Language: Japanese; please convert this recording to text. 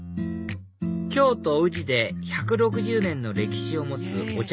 京都・宇治で１６０年の歴史を持つお茶